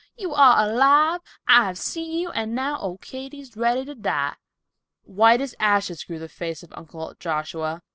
You are alive, I've seen you, and now old Katy's ready to die." White as ashes grew the face of Uncle Joshua.